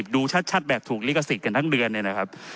ดูชัดแบบถูกลิขสิทธิ์กันทั้งเดือนเนี่ยนะครับ